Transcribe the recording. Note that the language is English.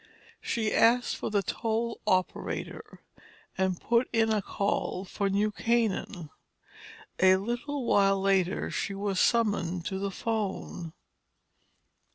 She asked for the toll operator and put in a call for New Canaan. A little while later she was summoned to the phone.